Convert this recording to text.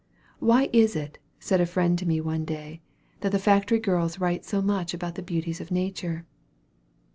Why is it, said a friend to me one day, that the factory girls write so much about the beauties of nature?